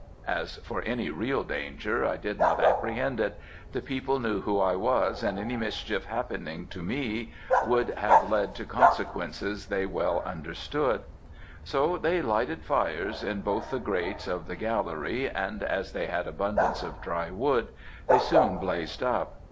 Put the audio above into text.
As for any real danger, I did not apprehend it; the people knew who I was, and any mischief happening to me would have led to consequences they well understood. So they lighted fires in both the grates of the gallery, and as they had abundance of dry wood, they soon blazed up.